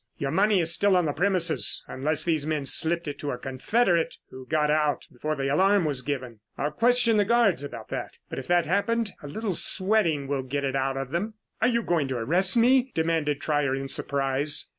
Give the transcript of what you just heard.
Your money is still on the premises unless these men slipped it to a confederate who got out before the alarm was given. I'll question the guards about that. If that happened, a little sweating will get it out of them." "Are you going to arrest me?" demanded Trier in surprise.